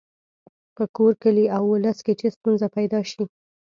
په کور، کلي او ولس کې چې ستونزه پیدا شي څوک یې حل کوي.